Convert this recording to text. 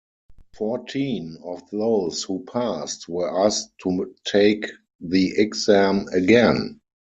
Fourteen of those who passed were asked to take the exam again.